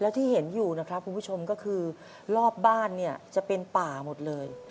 ที่เห็นอยู่นะครับคุณผู้ชมก็คือรอบบ้านเนี่ยจะเป็นป่าหมดเลย